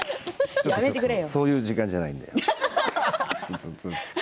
ちょっとちょっとそういう時間じゃないんだよって。